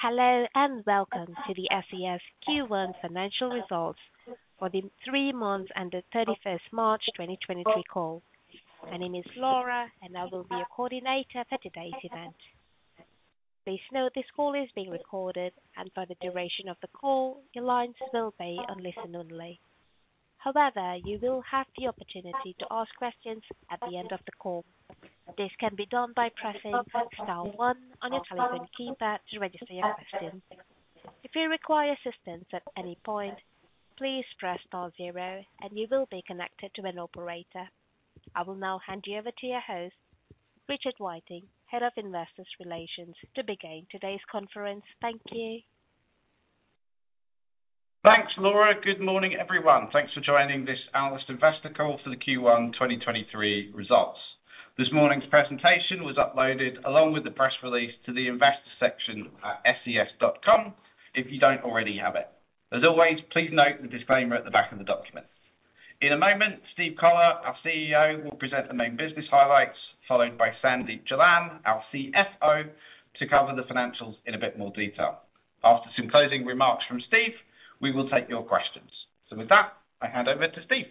Hello, and welcome to the SES Q1 financial results for the 3 months under 31st March 2023 call. My name is Laura, and I will be your coordinator for today's event. Please note this call is being recorded and for the duration of the call, your lines will be on listen only. However, you will have the opportunity to ask questions at the end of the call. This can be done by pressing star one on your telephone keypad to register your question. If you require assistance at any point, please press star zero and you will be connected to an operator. I will now hand you over to your host, Richard Whiteing, Head of Investor Relations, to begin today's conference. Thank you. Thanks, Laura. Good morning, everyone. Thanks for joining this analyst investor call for the Q1 2023 results. This morning's presentation was uploaded along with the press release to the investor section at ses.com, if you don't already have it. As always, please note the disclaimer at the back of the documents. In a moment, Steve Collar, our CEO, will present the main business highlights, followed by Sandeep Jalan, our CFO, to cover the financials in a bit more detail. After some closing remarks from Steve, we will take your questions. With that, I hand over to Steve.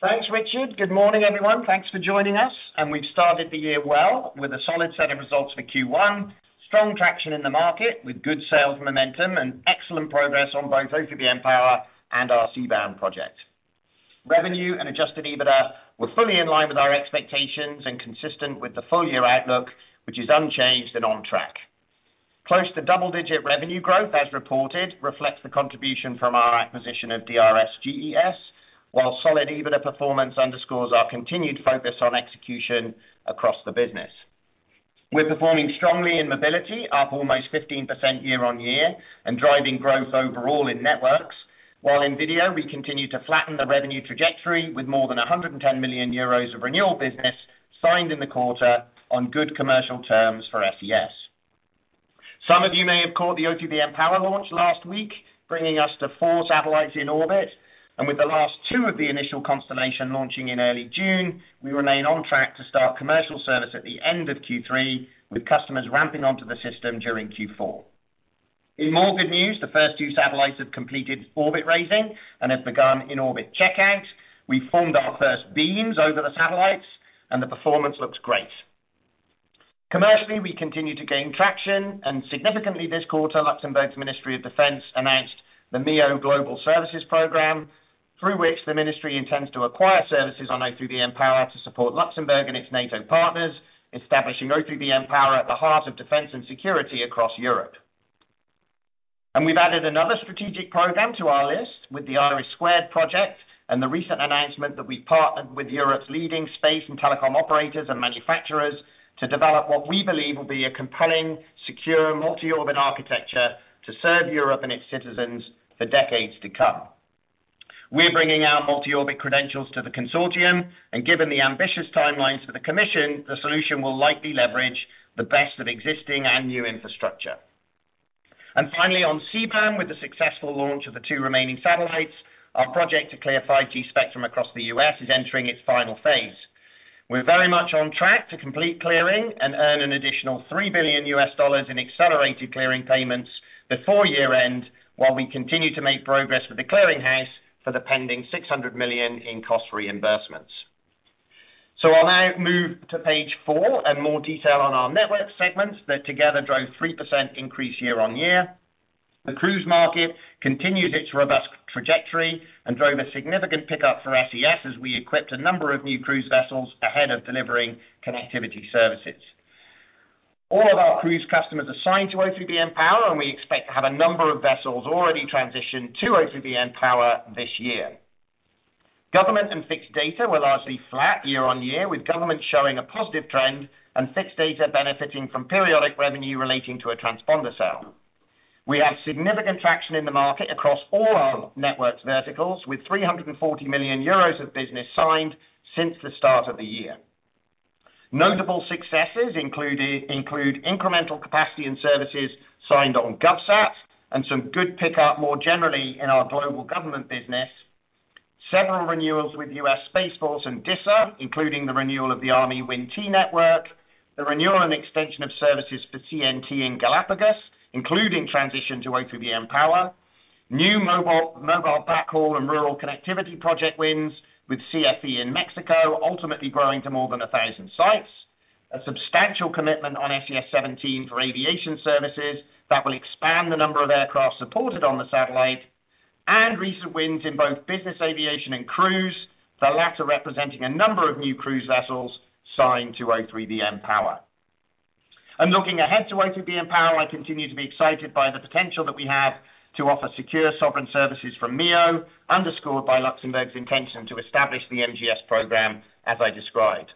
Thanks, Richard. Good morning, everyone. Thanks for joining us. We've started the year well, with a solid set of results for Q1, strong traction in the market with good sales momentum and excellent progress on both O3b mPOWER and our C-band project. Revenue and adjusted EBITDA were fully in line with our expectations and consistent with the full-year outlook, which is unchanged and on track. Close to double-digit revenue growth as reported, reflects the contribution from our acquisition of DRS GES, while solid EBITDA performance underscores our continued focus on execution across the business. We're performing strongly in mobility, up almost 15% year-on-year, and driving growth overall in networks. While in video, we continue to flatten the revenue trajectory with more than 110 million euros of renewal business signed in the quarter on good commercial terms for SES. Some of you may have caught the O3b mPOWER launch last week, bringing us to four satellites in orbit. With the last two of the initial constellation launching in early June, we remain on track to start commercial service at the end of Q3, with customers ramping onto the system during Q4. More good news, the first two satellites have completed orbit raising and have begun in orbit checkout. We formed our first beams over the satellites and the performance looks great. Commercially, we continue to gain traction and significantly this quarter, Luxembourg's Ministry of Defense announced the MEO Global Services program, through which the ministry intends to acquire services on O3b mPOWER to support Luxembourg and its NATO partners, establishing O3b mPOWER at the heart of defense and security across Europe. We've added another strategic program to our list with the IRIS² project and the recent announcement that we partnered with Europe's leading space and telecom operators and manufacturers to develop what we believe will be a compelling, secure, multi-orbit architecture to serve Europe and its citizens for decades to come. We're bringing our multi-orbit credentials to the consortium, and given the ambitious timelines for the commission, the solution will likely leverage the best of existing and new infrastructure. Finally, on C-band, with the successful launch of the 2 remaining satellites, our project to clear 5G spectrum across the U.S. is entering its final phase. We're very much on track to complete clearing and earn an additional $3 billion in accelerated clearing payments before year-end, while we continue to make progress with the clearing house for the pending $600 million in cost reimbursements. I'll now move to page 4 and more detail on our network segments that together drove 3% increase year-on-year. The cruise market continued its robust trajectory and drove a significant pickup for SES as we equipped a number of new cruise vessels ahead of delivering connectivity services. All of our cruise customers assigned to O3b mPOWER, and we expect to have a number of vessels already transitioned to O3b mPOWER this year. Government and fixed data were largely flat year-on-year, with government showing a positive trend and fixed data benefiting from periodic revenue relating to a transponder sale. We have significant traction in the market across all our networks verticals, with 340 million euros of business signed since the start of the year. Notable successes include incremental capacity and services signed on GovSat and some good pickup more generally in our global government business, several renewals with U.S. Space Force and DISA, including the renewal of the Army WIN-T network, the renewal and extension of services for CNT in Galapagos, including transition to O3b mPOWER, new mobile backhaul and rural connectivity project wins with CFE in Mexico, ultimately growing to more than 1,000 sites, a substantial commitment on SES-17 for aviation services that will expand the number of aircraft supported on the satellite, and recent wins in both business aviation and cruise, the latter representing a number of new cruise vessels signed to O3b mPOWER. Looking ahead to O3b mPOWER, I continue to be excited by the potential that we have to offer secure sovereign services from MEO, underscored by Luxembourg's intention to establish the MGS program, as I described.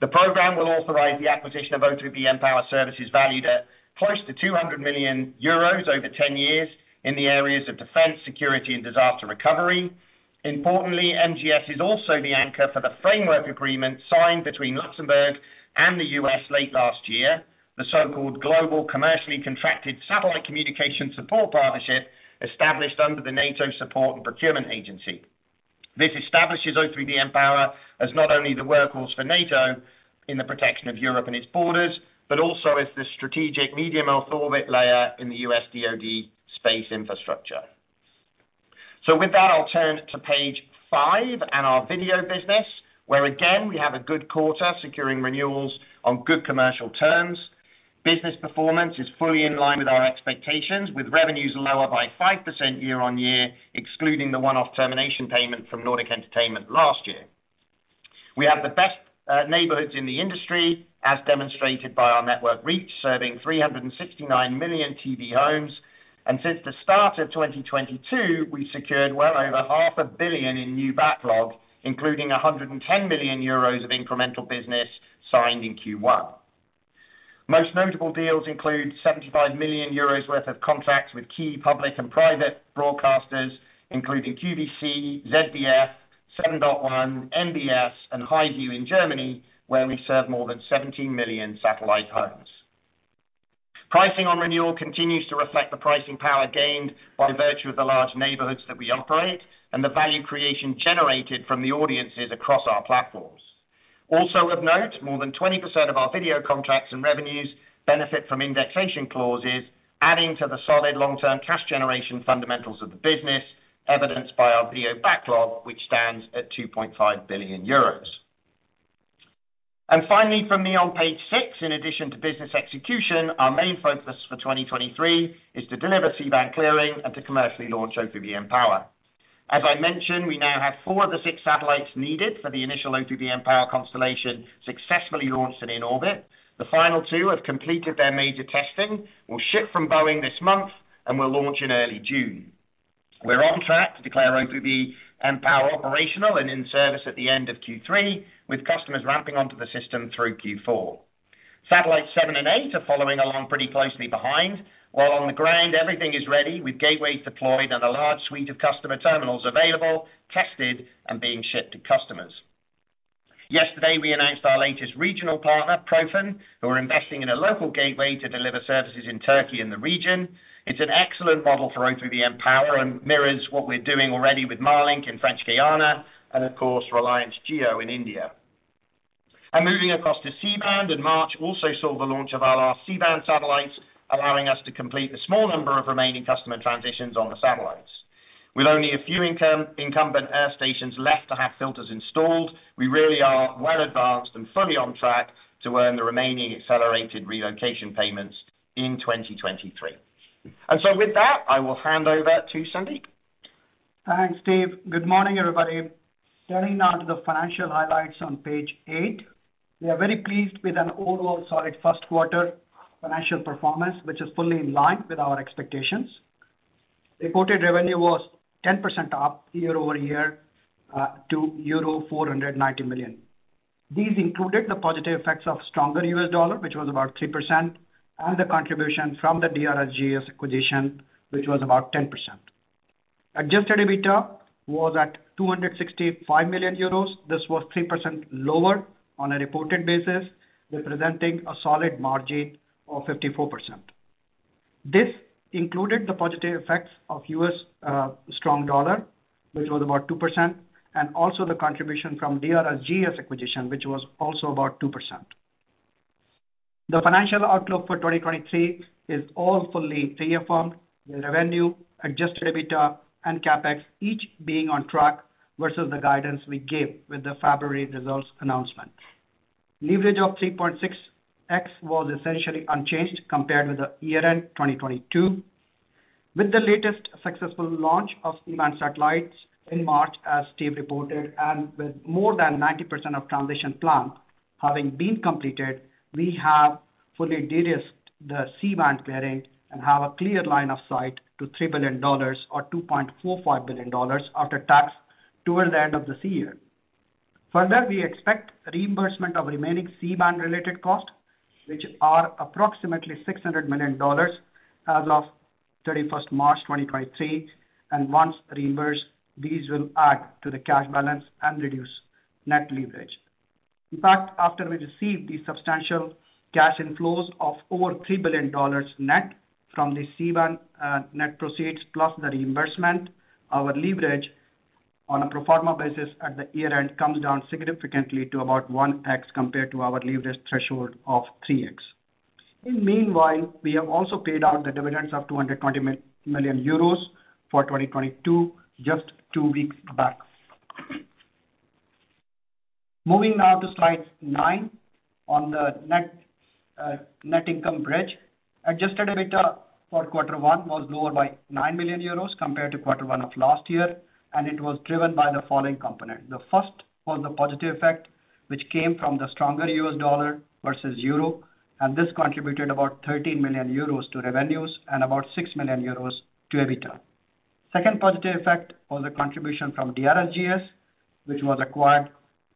The program will authorize the acquisition of O3b mPOWER services valued at close to 200 million euros over 10 years in the areas of defense, security, and disaster recovery. Importantly, MGS is also the anchor for the framework agreement signed between Luxembourg and the U.S. late last year, the so-called Global Commercially Contracted Satellite Communications Support Partnership established under the NATO Support and Procurement Agency. This establishes O3b mPOWER as not only the workhorse for NATO in the protection of Europe and its borders, but also as the strategic medium earth orbit layer in the U.S. DoD space infrastructure. With that, I'll turn to page 5 and our video business, where again, we have a good quarter securing renewals on good commercial terms. Business performance is fully in line with our expectations, with revenues lower by 5% year-on-year, excluding the one-off termination payment from Nordic Entertainment last year. We have the best neighborhoods in the industry, as demonstrated by our network reach, serving 369 million TV homes. And since the start of 2022, we secured well over half a billion in new backlog, including 110 million euros of incremental business signed in Q1. Most notable deals include 75 million euros worth of contracts with key public and private broadcasters, including QVC, ZDF, Seven.One, MBS, and HIGH VIEW in Germany, where we serve more than 17 million satellite homes. Pricing on renewal continues to reflect the pricing power gained by virtue of the large neighborhoods that we operate and the value creation generated from the audiences across our platforms. Also of note, more than 20% of our video contracts and revenues benefit from indexation clauses, adding to the solid long-term cash generation fundamentals of the business, evidenced by our video backlog, which stands at 2.5 billion euros. Finally from me on page 6, in addition to business execution, our main focus for 2023 is to deliver C-band clearing and to commercially launch O3b mPOWER. As I mentioned, we now have 4 of the 6 satellites needed for the initial O3b mPOWER constellation successfully launched and in orbit. The final 2 have completed their major testing, will ship from Boeing this month and will launch in early June. We're on track to declare O3b mPOWER operational and in service at the end of Q3, with customers ramping onto the system through Q4. Satellites seven and eight are following along pretty closely behind, while on the ground, everything is ready with gateways deployed and a large suite of customer terminals available, tested, and being shipped to customers. Yesterday, we announced our latest regional partner, Profen, who are investing in a local gateway to deliver services in Turkey and the region. It's an excellent model for O3b mPOWER and mirrors what we're doing already with Marlink in French Guiana and of course, Reliance Jio in India. Moving across to C-band in March, also saw the launch of our last C-band satellites, allowing us to complete the small number of remaining customer transitions on the satellites. With only a few incumbent earth stations left to have filters installed, we really are well advanced and fully on track to earn the remaining accelerated relocation payments in 2023. With that, I will hand over to Sandeep. Thanks, Steve. Good morning, everybody. Turning now to the financial highlights on page eight. We are very pleased with an overall solid first quarter financial performance, which is fully in line with our expectations. Reported revenue was 10% up year-over-year to euro 490 million. These included the positive effects of stronger U.S. dollar, which was about 3%, and the contribution from the DRS GES acquisition, which was about 10%. Adjusted EBITDA was at 265 million euros. This was 3% lower on a reported basis, representing a solid margin of 54%. This included the positive effects of U.S. strong dollar, which was about 2%, and also the contribution from DRS GES acquisition, which was also about 2%. The financial outlook for 2023 is all fully reaffirmed, with revenue, adjusted EBITDA and CapEx each being on track versus the guidance we gave with the February results announcement. Leverage of 3.6x was essentially unchanged compared with the year-end 2022. With the latest successful launch of C-band satellites in March, as Steve reported, and with more than 90% of transition plan having been completed, we have fully de-risked the C-band clearing and have a clear line of sight to $3 billion or $2.45 billion after tax towards the end of this year. Further, we expect reimbursement of remaining C-band related costs, which are approximately $600 million as of 31st March 2023, and once reimbursed, these will add to the cash balance and reduce net leverage. In fact, after we receive the substantial cash inflows of over $3 billion net from the C-band net proceeds plus the reimbursement, our leverage on a pro forma basis at the year-end comes down significantly to about 1x compared to our leverage threshold of 3x. Meanwhile, we have also paid out the dividends of 220 million euros for 2022 just two weeks back. Moving now to slide 9 on the net income bridge. Adjusted EBITDA for Q1 was lower by 9 million euros compared to Q1 of last year. It was driven by the following components. The first was the positive effect, which came from the stronger U.S. dollar versus euro, and this contributed about 13 million euros to revenues and about 6 million euros to EBITDA. Second positive effect was a contribution from DRS GES, which was acquired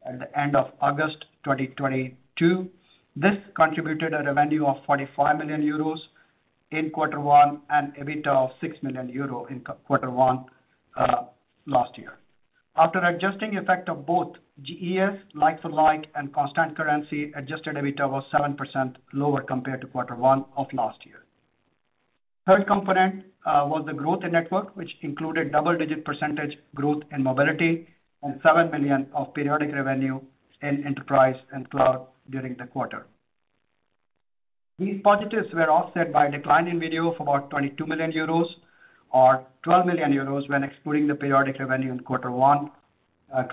at the end of August 2022. This contributed a revenue of 45 million euros in quarter one and EBITDA of 6 million euro in quarter one last year. After adjusting effect of both GES like for like and constant currency, adjusted EBITDA was 7% lower compared to quarter one of last year. Third component was the growth in network, which included double-digit % growth in mobility and 7 million of periodic revenue in enterprise and cloud during the quarter. These positives were offset by a decline in video of about 22 million euros or 12 million euros when excluding the periodic revenue in quarter one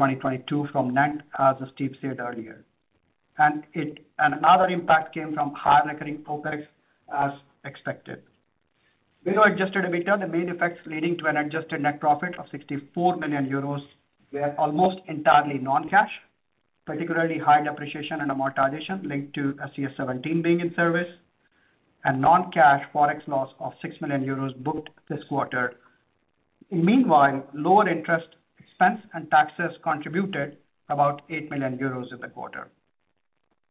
2022 from Nant, as Steve said earlier. Another impact came from higher recurring Forex as expected. Video adjusted EBITDA, the main effects leading to an adjusted net profit of 64 million euros were almost entirely non-cash, particularly high depreciation and amortization linked to SES-17 being in service, and non-cash Forex loss of 6 million euros booked this quarter. Lower interest expense and taxes contributed about 8 million euros in the quarter.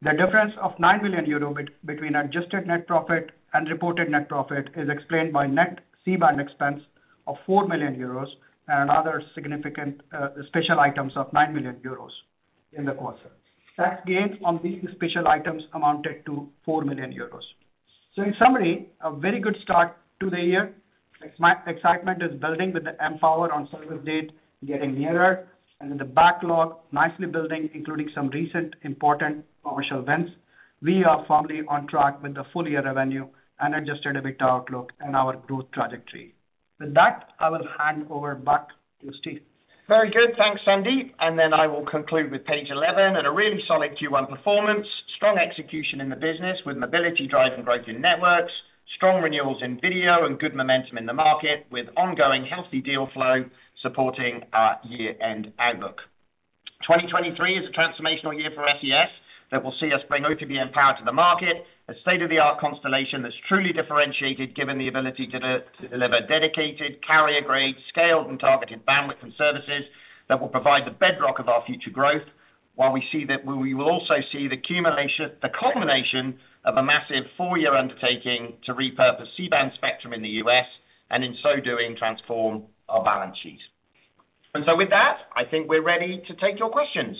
The difference of 9 million euros between adjusted net profit and reported net profit is explained by net C-band expense of 4 million euros and other significant special items of 9 million euros in the quarter. Tax gains on these special items amounted to 4 million euros. In summary, a very good start to the year. Excitement is building with the mPOWER on service date getting nearer and the backlog nicely building, including some recent important commercial wins. We are firmly on track with the full year revenue and adjusted EBITDA outlook and our growth trajectory. With that, I will hand over back to Steve. Very good. Thanks, Sandeep. I will conclude with page 11. At a really solid Q1 performance, strong execution in the business with mobility driving growth in networks, strong renewals in video and good momentum in the market with ongoing healthy deal flow supporting our year-end outlook. 2023 is a transformational year for SES that will see us bring O3b mPOWER to the market, a state-of-the-art constellation that's truly differentiated given the ability to deliver dedicated carrier grade scaled and targeted bandwidth and services that will provide the bedrock of our future growth, while we will also see the culmination of a massive four-year undertaking to repurpose C-band spectrum in the U.S. and in so doing, transform our balance sheet. With that, I think we're ready to take your questions.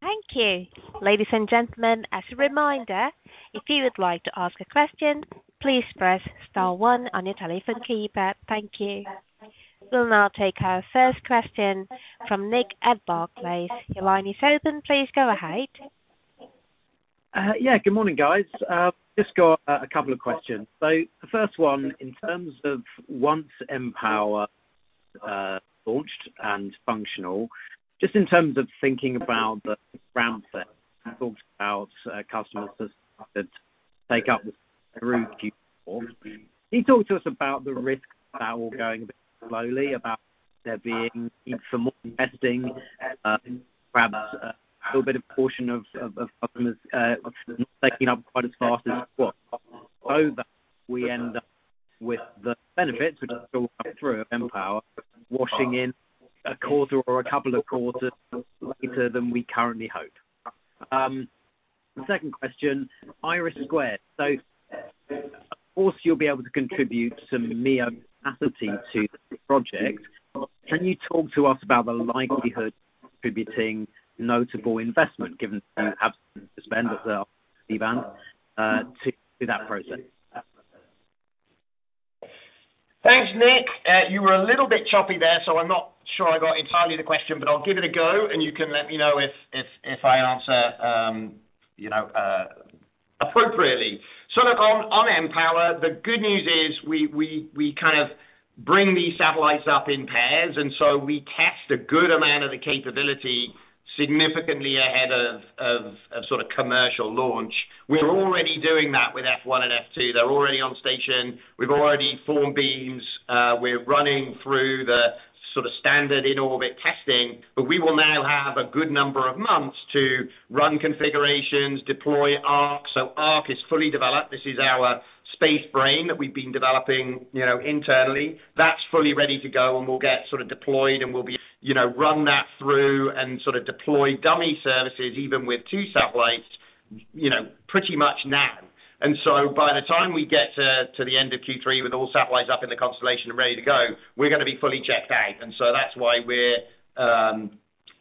Thank you. Ladies and gentlemen, as a reminder, if you would like to ask a question, please press star one on your telephone keypad. Thank you. We'll now take our first question from Nick at Barclays. Your line is open. Please go ahead. Yeah, good morning, guys. Just got a couple of questions. The first one, in terms of once mPOWER launched and functional, just in terms of thinking about the ramp set, you talked about customers that take up through Q4. Can you talk to us about the risk of that all going a bit slowly, about there being even some more investing, perhaps a little bit of portion of customers not taking up quite as fast as what. That we end up with the benefits, which will come through mPOWER, washing in a quarter or a couple of quarters later than we currently hope. Second question: IRIS². Of course, you'll be able to contribute some MEO capacity to the project. Can you talk to us about the likelihood of contributing notable investment, given the absence of spend of the C-band, to that process? Thanks, Nick. You were a little bit choppy there, so I'm not sure I got entirely the question, but I'll give it a go, and you can let me know if, if I answer, you know, appropriately. Look, on mPOWER, the good news is we kind of bring these satellites up in pairs, and so we test a good amount of the capability significantly ahead of sort of commercial launch. We're already doing that with F1 and F2. They're already on station. We've already formed beams. We're running through the sort of standard in-orbit testing. We will now have a good number of months to run configurations, deploy ARC. ARC is fully developed. This is our space brain that we've been developing, you know, internally. That's fully ready to go and will get sort of deployed, and we'll be, you know, run that through and sort of deploy dummy services even with two satellites, you know, pretty much now. By the time we get to the end of Q3 with all satellites up in the constellation and ready to go, we're gonna be fully checked out. That's why we're,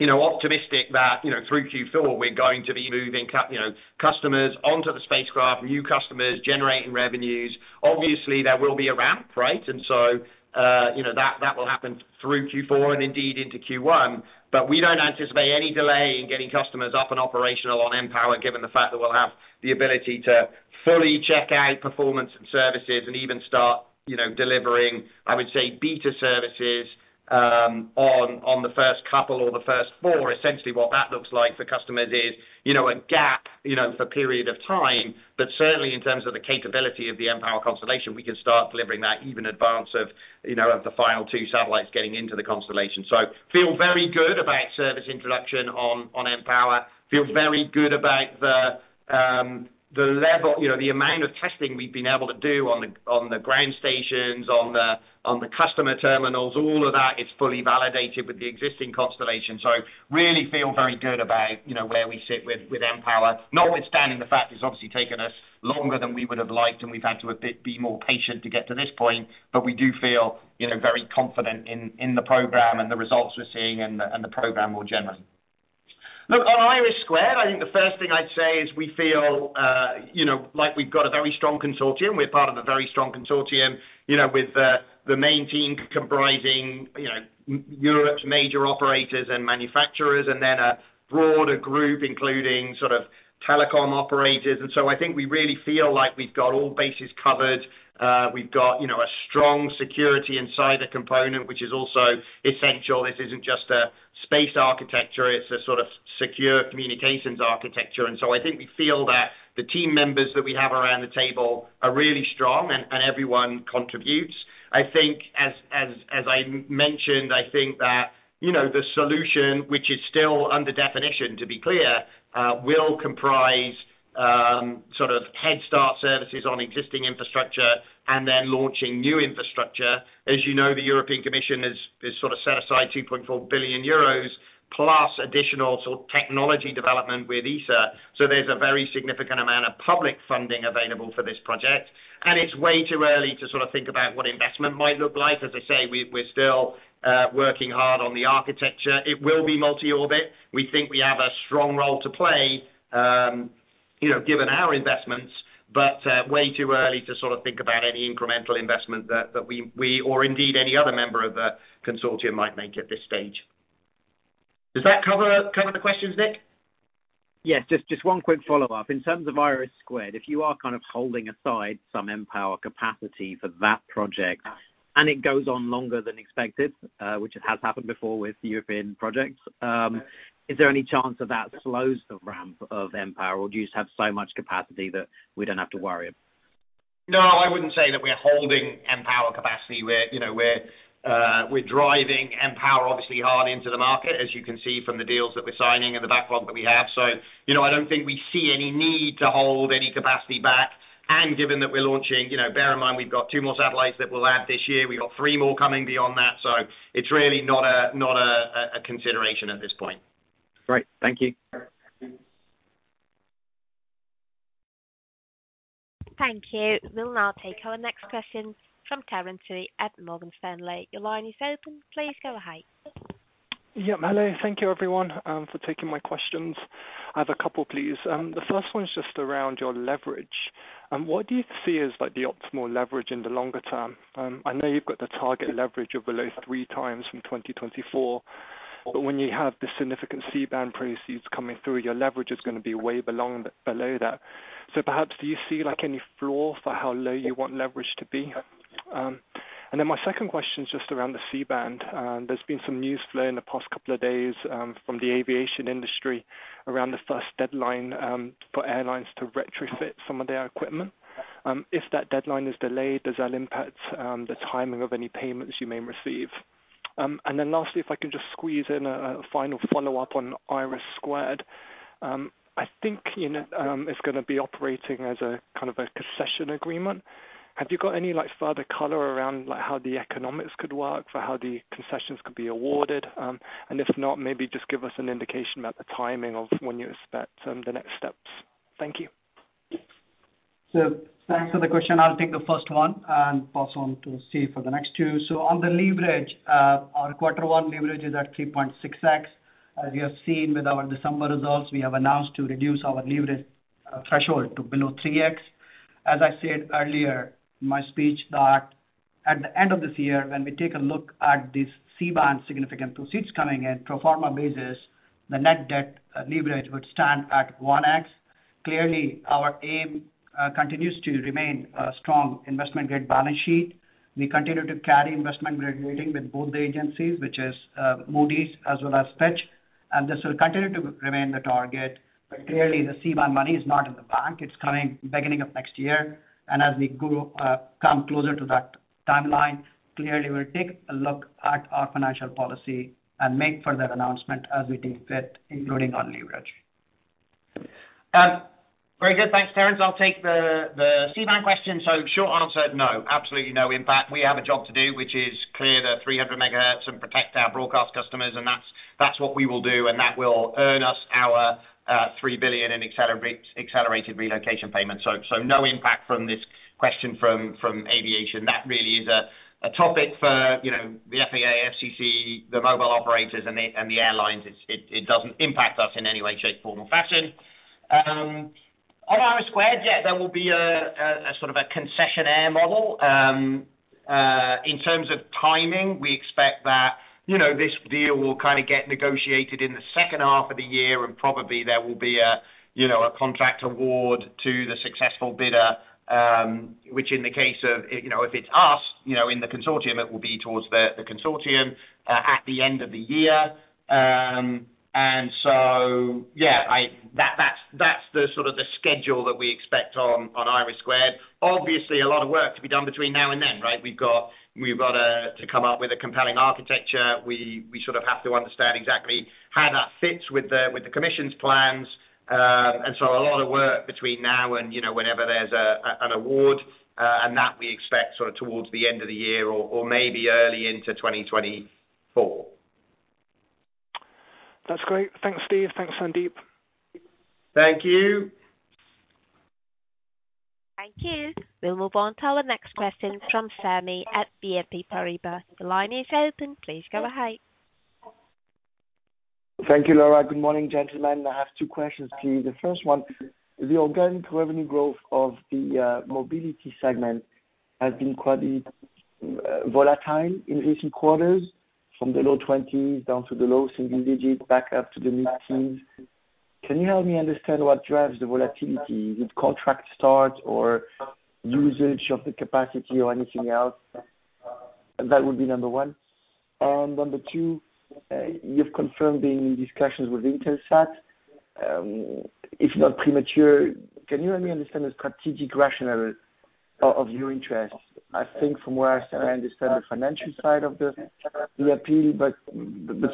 you know, optimistic that, you know, through Q4, we're going to be moving, you know, customers onto the spacecraft, new customers generating revenues. Obviously, there will be a ramp, right? You know, that will happen through Q4 and indeed into Q1. We don't anticipate any delay in getting customers up and operational on mPOWER, given the fact that we'll have the ability to fully check out performance and services and even start, you know, delivering, I would say, beta services, on the first couple or the first four. Essentially, what that looks like for customers is, you know, a gap, you know, for a period of time. Certainly, in terms of the capability of the mPOWER constellation, we can start delivering that even in advance of, you know, of the final two satellites getting into the constellation. Feel very good about service introduction on mPOWER. Feel very good about the level, you know, the amount of testing we've been able to do on the, on the ground stations, on the, on the customer terminals, all of that is fully validated with the existing constellation. Really feel very good about, you know, where we sit with mPOWER, notwithstanding the fact it's obviously taken us longer than we would have liked and we've had to a bit, be more patient to get to this point. We do feel, you know, very confident in the program and the results we're seeing and the, and the program more generally. Look, on IRIS², I think the first thing I'd say is we feel, you know, like we've got a very strong consortium. We're part of a very strong consortium, you know, with the main team comprising, you know, Europe's major operators and manufacturers, then a broader group including sort of telecom operators. I think we really feel like we've got all bases covered. We've got, you know, a strong security insider component, which is also essential. This isn't just a space architecture, it's a sort of secure communications architecture. I think we feel that the team members that we have around the table are really strong and everyone contributes. I think as I mentioned, I think that, you know, the solution, which is still under definition, to be clear, will comprise sort of head start services on existing infrastructure then launching new infrastructure. As you know, the European Commission has sort of set aside 2.4 billion euros plus additional sort of technology development with ESA. There's a very significant amount of public funding available for this project. It's way too early to sort of think about what investment might look like. As I say, we're still working hard on the architecture. It will be multi-orbit. We think we have a strong role to play, you know, given our investments, but way too early to sort of think about any incremental investment that we or indeed any other member of the consortium might make at this stage. Does that cover the questions, Nick? Yes. Just one quick follow-up. In terms of IRIS², if you are kind of holding aside some mPOWER capacity for that project and it goes on longer than expected, which it has happened before with European projects, is there any chance that that slows the ramp of mPOWER, or do you just have so much capacity that we don't have to worry? No, I wouldn't say that we're holding mPOWER capacity. We're, you know, we're driving mPOWER obviously hard into the market, as you can see from the deals that we're signing and the backlog that we have. you know, I don't think we see any need to hold any capacity back. given that we're launching, you know, bear in mind we've got two more satellites that we'll add this year. We've got three more coming beyond that. it's really not a consideration at this point. Great. Thank you. Thank you. We'll now take our next question from Terence Tsui at Morgan Stanley. Your line is open. Please go ahead. Hello. Thank you everyone for taking my questions. I have a couple, please. The first one is just around your leverage. What do you see as, like, the optimal leverage in the longer term? I know you've got the target leverage of below 3 times from 2024, but when you have the significant C-band proceeds coming through, your leverage is gonna be way below that. Perhaps do you see, like, any floor for how low you want leverage to be? My second question is just around the C-band. There's been some news flow in the past couple of days from the aviation industry around the first deadline for airlines to retrofit some of their equipment. If that deadline is delayed, does that impact the timing of any payments you may receive? Lastly, if I can just squeeze in a final follow-up on IRIS². I think, you know, it's gonna be operating as a kind of a concession agreement. Have you got any, like, further color around, like, how the economics could work for how the concessions could be awarded? If not, maybe just give us an indication about the timing of when you expect the next steps. Thank you. Thanks for the question. I'll take the first one and pass on to Steve for the next two. On the leverage, our quarter one leverage is at 3.6x. As you have seen with our December results, we have announced to reduce our leverage threshold to below 3x. As I said earlier in my speech that at the end of this year, when we take a look at this C-band significant proceeds coming in, pro forma basis, the net debt leverage would stand at 1x. Clearly, our aim continues to remain a strong investment-grade balance sheet. We continue to carry investment grade rating with both the agencies, which is Moody's as well as Fitch, and this will continue to remain the target. Clearly the C-band money is not in the bank. It's coming beginning of next year. As we go, come closer to that timeline, clearly we'll take a look at our financial policy and make further announcement as we deem fit, including on leverage. Very good. Thanks, Terence. I'll take the C-band question. Short answer, no. Absolutely no impact. We have a job to do, which is clear the 300 megahertz and protect our broadcast customers, and that's what we will do, and that will earn us our $3 billion in accelerated relocation payments. No impact from this question from aviation. That really is a topic for, you know, the FAA, FCC, the mobile operators and the airlines. It doesn't impact us in any way, shape, form or fashion. On IRIS², yeah, there will be a sort of a concessionaire model. In terms of timing, we expect that, you know, this deal will kinda get negotiated in the second half of the year and probably there will be a, you know, a contract award to the successful bidder, which in the case of, you know, if it's us, you know, in the consortium, it will be towards the consortium at the end of the year. Yeah, that's the sort of the schedule that we expect on IRIS². Obviously, a lot of work to be done between now and then, right? We've got to come up with a compelling architecture. We sort of have to understand exactly how that fits with the Commission's plans. A lot of work between now and, you know, whenever there's an award, and that we expect sort of towards the end of the year or maybe early into 2024. That's great. Thanks, Steve. Thanks, Sandeep. Thank you. We'll move on to our next question from Sammy at BNP Paribas. The line is open. Please go ahead. Thank you, Laura. Good morning, gentlemen. I have two questions, please. The first one, the organic revenue growth of the mobility segment has been quite volatile in recent quarters, from the low 20s down to the low single digits, back up to the mid-teens. Can you help me understand what drives the volatility? Is it contract start or usage of the capacity or anything else? That would be number one. Number two, you've confirmed the discussions with Intelsat. If not premature, can you help me understand the strategic rationale of your interest? I think from where I understand the financial side of the appeal, but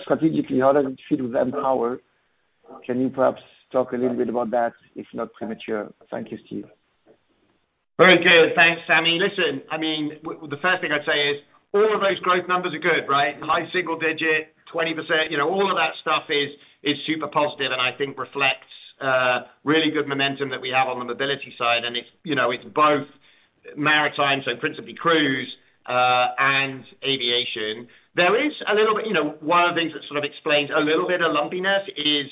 strategically, how does it fit with mPOWER? Can you perhaps talk a little bit about that, if not premature? Thank you, Steve. Very good. Thanks, Sammy. The first thing I'd say is all of those growth numbers are good, right? High single digit, 20%, you know, all of that stuff is super positive and I think reflects really good momentum that we have on the mobility side. It's, you know, it's both maritime, so principally cruise and aviation. One of the things that sort of explains a little bit of lumpiness is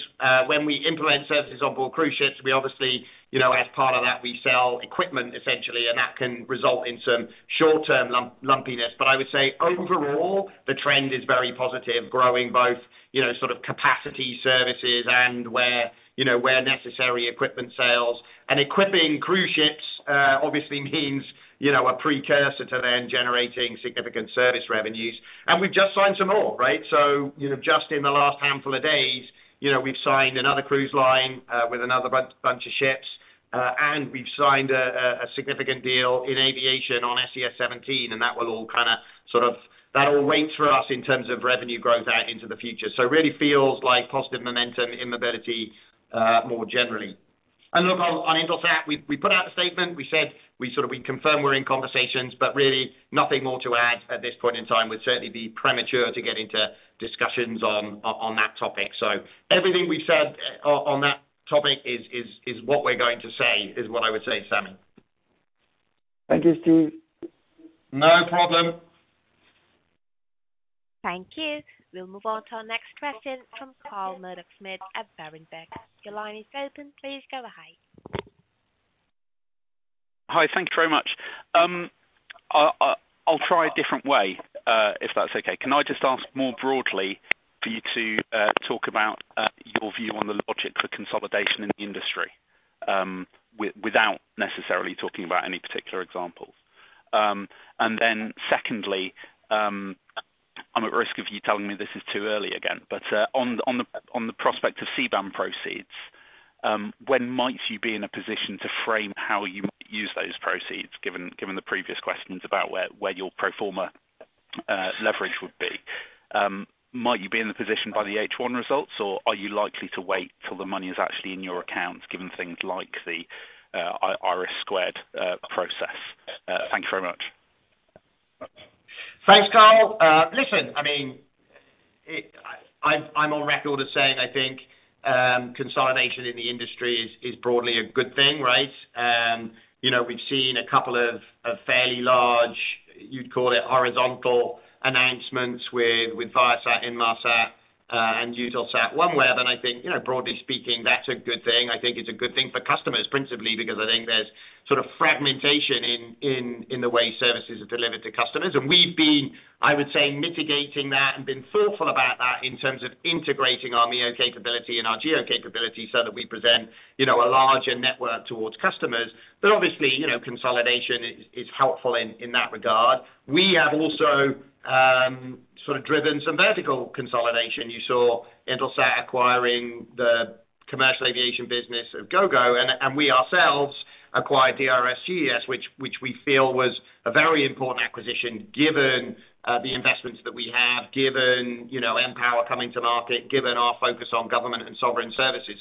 when we implement services on board cruise ships, we obviously, you know, as part of that, we sell equipment essentially, and that can result in some short-term lumpiness. I would say overall, the trend is very positive, growing both, you know, sort of capacity services and where, you know, where necessary, equipment sales. Equipping cruise ships, obviously means, you know, a precursor to then generating significant service revenues. We've just signed some more, right? You know, just in the last handful of days, you know, we've signed another cruise line, with another bunch of ships, and we've signed a significant deal in aviation on SES-17, that will all kinda sort of, that will rate for us in terms of revenue growth out into the future. Really feels like positive momentum in mobility, more generally. Look on Intelsat, we put out a statement, we said we sort of, we confirm we're in conversations, but really nothing more to add at this point in time. Would certainly be premature to get into discussions on that topic. Everything we've said on that topic is what we're going to say, is what I would say, Sammy. Thank you, Steve. No problem. Thank you. We'll move on to our next question from Carl Murdock-Smith at Berenberg. Your line is open. Please go ahead. Hi, thank you very much. I'll try a different way, if that's okay. Can I just ask more broadly for you to talk about your view on the logic for consolidation in the industry, without necessarily talking about any particular examples? Secondly, I'm at risk of you telling me this is too early again, but on the prospect of CBAM proceeds, when might you be in a position to frame how you use those proceeds, given the previous questions about where your pro forma leverage would be? Might you be in the position by the H1 results, or are you likely to wait till the money is actually in your accounts, given things like the IRIS² process? Thank you very much. Thanks, Carl. listen, I mean, I'm on record as saying I think consolidation in the industry is broadly a good thing, right? you know, we've seen a couple of fairly large, you'd call it horizontal announcements with Viasat, Inmarsat, and Eutelsat OneWeb. I think, you know, broadly speaking, that's a good thing. I think it's a good thing for customers, principally because I think there's sort of fragmentation in the way services are delivered to customers. we've been, I would say, mitigating that and been thoughtful about that in terms of integrating our MEO capability and our GEO capability so that we present, you know, a larger network towards customers. obviously, you know, consolidation is helpful in that regard. We have also sort of driven some vertical consolidation. You saw Intelsat acquiring the commercial aviation business of Gogo and we ourselves acquired DRS SES, which we feel was a very important acquisition given the investments that we have, given, you know, mPOWER coming to market, given our focus on government and sovereign services.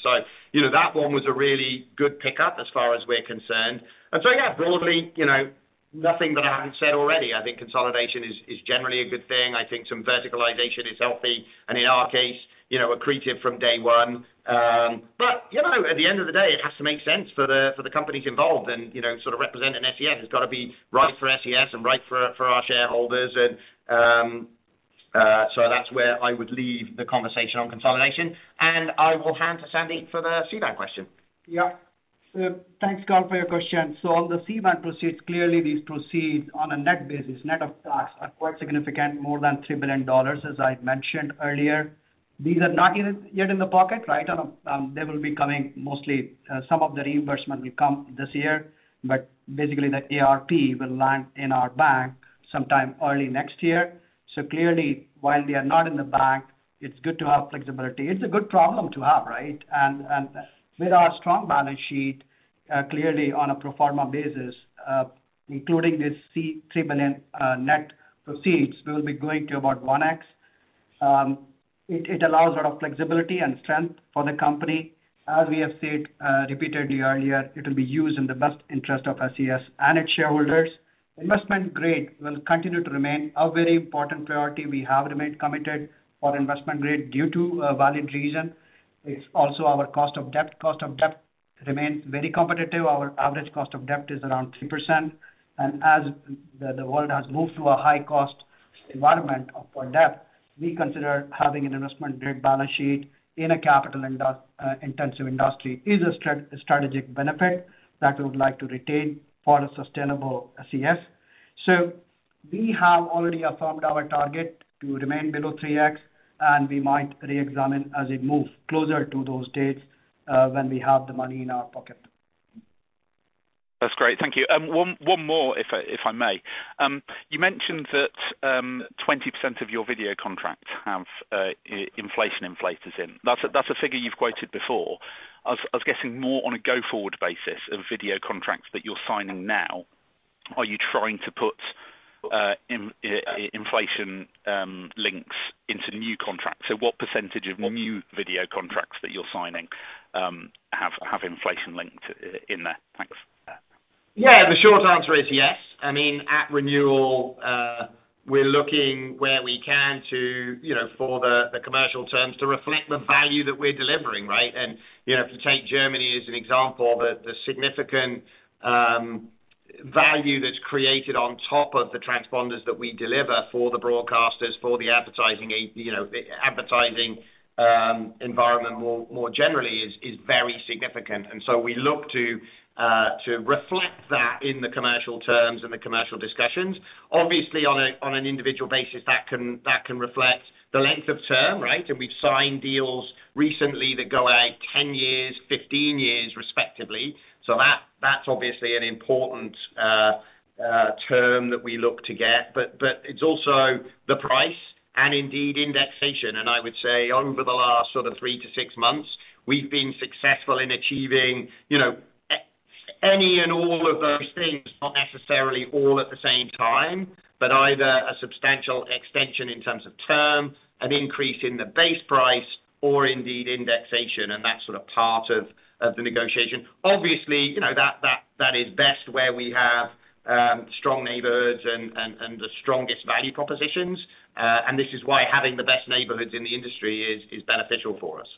You know, that one was a really good pickup as far as we're concerned. Yeah, broadly, you know, nothing that I haven't said already. I think consolidation is generally a good thing. I think some verticalization is healthy. In our case, you know, accretive from day one. You know, at the end of the day, it has to make sense for the companies involved and, you know, sort of representing SES, it's got to be right for SES and right for our shareholders. That's where I would leave the conversation on consolidation. I will hand to Sandeep for the CBAM question. Thanks, Carl, for your question. On the CBAM proceeds, clearly these proceeds on a net basis, net of tax, are quite significant, more than $3 billion, as I mentioned earlier. These are not in, yet in the pocket, right? They will be coming mostly, some of the reimbursement will come this year, but basically the ARP will land in our bank sometime early next year. Clearly, while they are not in the bank, it's good to have flexibility. It's a good problem to have, right? With our strong balance sheet, clearly on a pro forma basis, including this $3 billion net proceeds, we will be going to about 1x. It allows a lot of flexibility and strength for the company. As we have said, repeatedly earlier, it will be used in the best interest of SES and its shareholders. Investment grade will continue to remain a very important priority. We have remained committed for investment grade due to a valid reason. It's also our cost of debt. Cost of debt remains very competitive. Our average cost of debt is around 3%. As the world has moved to a high cost environment for debt, we consider having an investment grade balance sheet in a capital intensive industry is a strategic benefit that we would like to retain for a sustainable SES. We have already affirmed our target to remain below 3x, and we might reexamine as a move closer to those dates, when we have the money in our pocket. That's great. Thank you. One more if I may. You mentioned that 20% of your video contracts have inflation inflators in. That's a figure you've quoted before. I was getting more on a go-forward basis of video contracts that you're signing now. Are you trying to put inflation links into new contracts? What percentage of new video contracts that you're signing have inflation linked in there? Thanks. Yeah, the short answer is yes. I mean, at renewal, we're looking where we can to, you know, for the commercial terms to reflect the value that we're delivering, right? You know, if you take Germany as an example, the significant value that's created on top of the transponders that we deliver for the broadcasters, for the advertising environment more generally is very significant. We look to reflect that in the commercial terms and the commercial discussions. Obviously on an individual basis that can reflect the length of term, right? We've signed deals recently that go out 10 years, 15 years respectively. That's obviously an important term that we look to get. It's also the price and indeed indexation. I would say over the last sort of three to six months, we've been successful in achieving, you know, any and all of those things, not necessarily all at the same time, but either a substantial extension in terms of term, an increase in the base price, or indeed indexation. That's sort of part of the negotiation. Obviously, you know, that is best where we have strong neighborhoods and the strongest value propositions. This is why having the best neighborhoods in the industry is beneficial for us.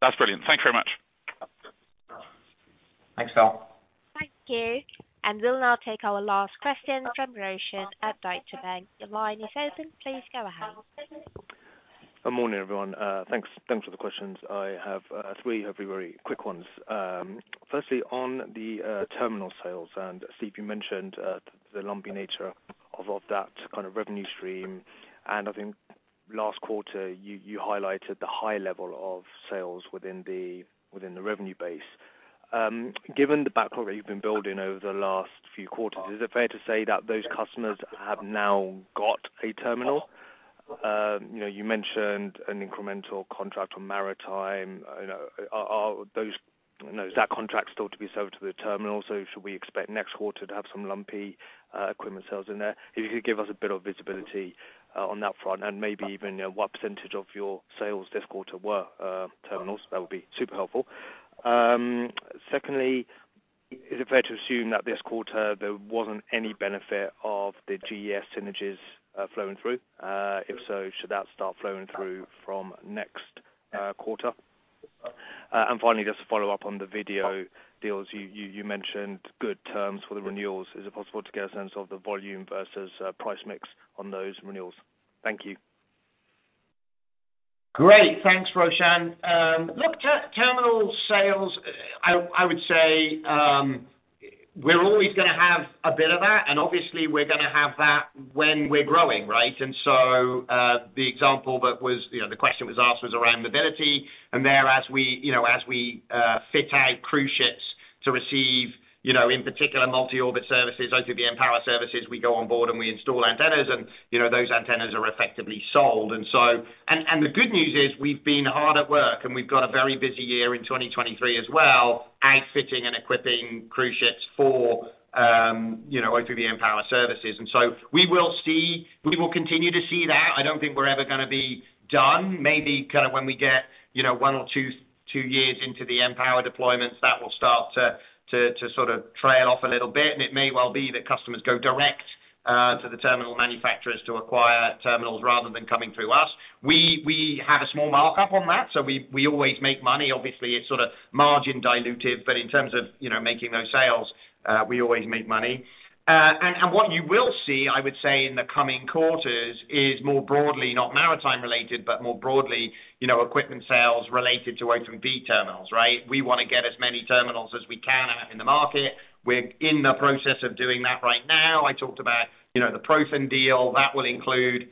That's brilliant. Thank you very much. Thanks, Carl. Thank you. We'll now take our last question from Roshan at Deutsche Bank. Your line is open. Please go ahead. Good morning, everyone. Thanks for the questions. I have three hopefully very quick ones. Firstly on the terminal sales. Steve, you mentioned the lumpy nature of that kind of revenue stream. I think last quarter you highlighted the high level of sales within the revenue base. Given the backlog that you've been building over the last few quarters, is it fair to say that those customers have now got a terminal? You know, you mentioned an incremental contract on maritime. You know, is that contract still to be served to the terminal? Should we expect next quarter to have some lumpy equipment sales in there? If you could give us a bit of visibility, on that front and maybe even, you know, what % of your sales this quarter were, terminals, that would be super helpful. Secondly, is it fair to assume that this quarter there wasn't any benefit of the GES synergies, flowing through? If so, should that start flowing through from next quarter? Finally, just to follow up on the video deals. You mentioned good terms for the renewals. Is it possible to get a sense of the volume versus, price mix on those renewals? Thank you. Great. Thanks, Roshan. Look, terminal sales, I would say, we're always gonna have a bit of that, and obviously we're gonna have that when we're growing, right? The example that was, you know, the question was asked was around mobility. There as we fit out cruise ships to receive, you know, in particular multi-orbit services, O3b mPOWER services, we go on board, and we install antennas and, you know, those antennas are effectively sold. The good news is we've been hard at work, and we've got a very busy year in 2023 as well, outfitting and equipping cruise ships for, you know, O3b mPOWER services. We will continue to see that. I don't think we're ever gonna be done. Maybe kind of when we get, you know, one or 2 years into the mPOWER deployments, that will start to sort of trail off a little bit. It may well be that customers go direct to the terminal manufacturers to acquire terminals rather than coming through us. We have a small markup on that, we always make money. Obviously, it's sort of margin dilutive, in terms of, you know, making those sales, we always make money. What you will see, I would say, in the coming quarters is more broadly, not maritime related, but more broadly, you know, equipment sales related to O3b terminals, right? We wanna get as many terminals as we can out in the market. We're in the process of doing that right now. I talked about, you know, the Profen deal. That will include,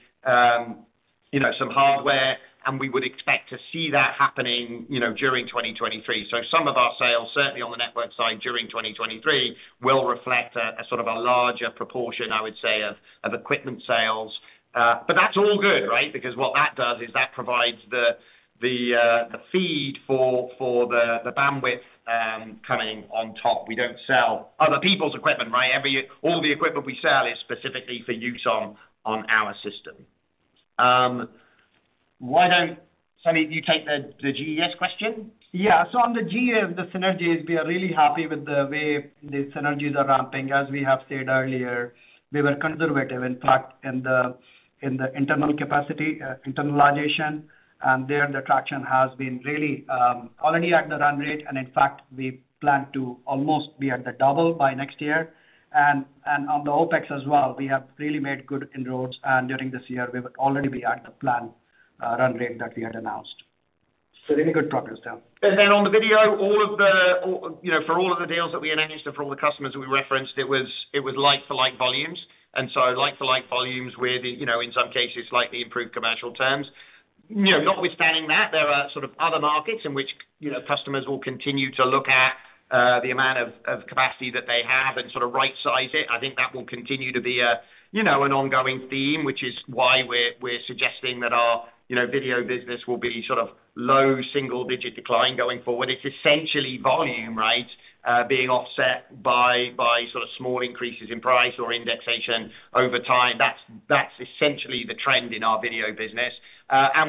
you know, some hardware. We would expect to see that happening, you know, during 2023. Some of our sales, certainly on the network side during 2023, will reflect a sort of a larger proportion, I would say, of equipment sales. That's all good, right? Because what that does is that provides the feed for the bandwidth coming on top. We don't sell other people's equipment, right? All the equipment we sell is specifically for use on our systems. Why don't Sandeep, you take the GES question? On the GES, the synergies, we are really happy with the way the synergies are ramping. As we have said earlier, we were conservative, in fact, in the internal capacity internalization, there the traction has been really already at the run rate. In fact, we plan to almost be at the double by next year. On the OpEx as well, we have really made good inroads, during this year we will already be at the planned run rate that we had announced. Really good progress there. On the video, all of the, you know, for all of the deals that we announced and for all the customers that we referenced, it was like for like volumes. Like for like volumes with, you know, in some cases slightly improved commercial terms. You know, notwithstanding that, there are sort of other markets in which, you know, customers will continue to look at, the amount of capacity that they have and sort of rightsize it. I think that will continue to be a, you know, an ongoing theme, which is why we're suggesting that our, you know, video business will be sort of low single-digit decline going forward. It's essentially volume, right, being offset by sort of small increases in price or indexation over time. That's essentially the trend in our video business.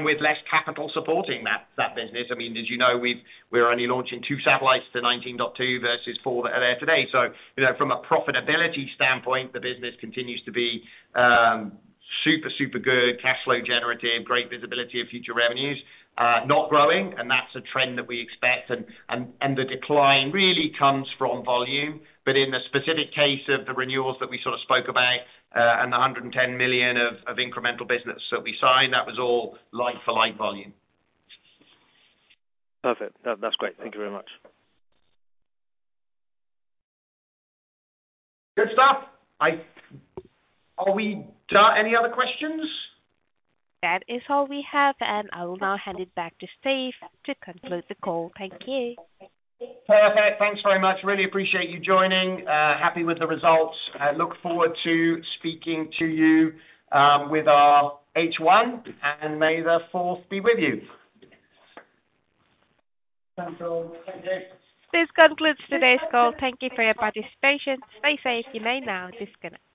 With less capital supporting that business, I mean, as you know, we're only launching 2 satellites to 19.2 versus 4 that are there today. You know, from a profitability standpoint, the business continues to be super good, cash flow generative, great visibility of future revenues. Not growing, and that's a trend that we expect and the decline really comes from volume. In the specific case of the renewals that we sort of spoke about, and the 110 million of incremental business that we signed, that was all like for like volume. Perfect. That's great. Thank you very much. Good stuff. Are we done? Any other questions? That is all we have, and I will now hand it back to Steve to conclude the call. Thank you. Perfect. Thanks very much. Really appreciate you joining. Happy with the results. I look forward to speaking to you, with our H1. May the force be with you. Thanks all. Thank you. This concludes today's call. Thank you for your participation. You may now disconnect.